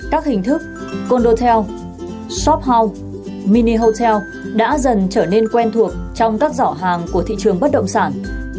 các hình thức condotel shophall minihotel đã dần trở nên quen thuộc trong các giỏ hàng của thị trường bất động sản